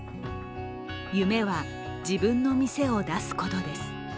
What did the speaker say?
夢は、自分の店を出すことです。